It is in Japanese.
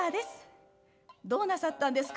どうなさったんですか？」。